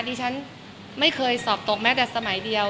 ดิฉันไม่เคยสอบตกแม้แต่สมัยเดียว